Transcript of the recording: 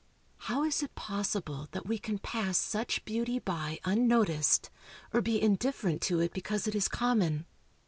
How is it possible that we can pass such beauty by unnoticed, or be indifferent to it because it is common?